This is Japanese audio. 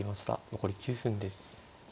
残り９分です。